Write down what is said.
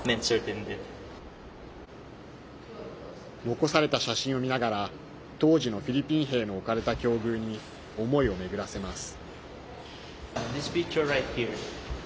残された写真を見ながら当時のフィリピン兵の置かれた境遇に思いを巡らせます。